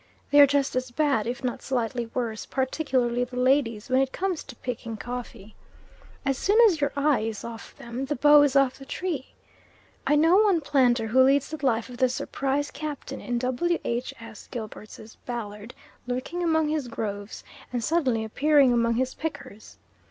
They are just as bad, if not slightly worse, particularly the ladies, when it comes to picking coffee. As soon as your eye is off them, the bough is off the tree. I know one planter who leads the life of the Surprise Captain in W. H. S. Gilbert's ballad, lurking among his groves, and suddenly appearing among his pickers.